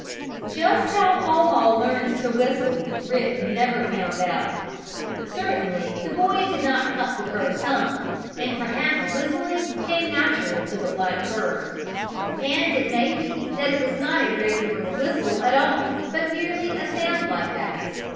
Just how Haw Haw learned to whistle Rick never found out. Certainly the boy did not cut the crow's tongue, and perhaps whistling came natural to the black bird. And it may be that it was not a regular "whistle" at all, but merely a sound like that.